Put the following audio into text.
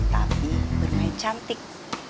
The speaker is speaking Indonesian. tapi bermain cantik